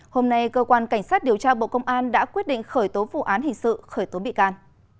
hôm nay cơ quan cảnh sát điều tra bộ công an đã quyết định khởi tố vụ án hình sự khởi tố bị can